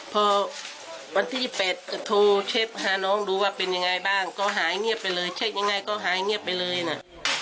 พอวันที่๑๘ก็โทรเช็คหาน้องดูว่าเป็นยังไงบ้างก็หายเงียบไปเลยเช็คยังไงก็หายเงียบไปเลยนะ